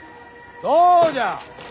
どうじゃ！